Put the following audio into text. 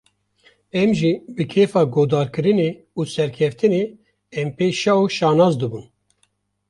Em jî bi kêfa guhdarkirinê û serkeftinê em pê şa û şanaz dibûn